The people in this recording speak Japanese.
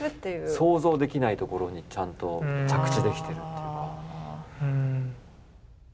想像できないところにちゃんと着地できてるっていうか。